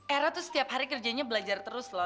aira tuh setiap hari kerjanya belajar terus lho